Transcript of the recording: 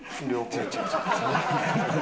違う違う違う。